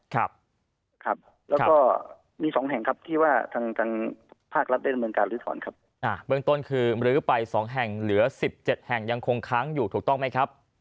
ครับแล้วก็มี๒แห่งครับที่ว่าทางภาครัฐได้ดำเนินการลื้อถอนครับ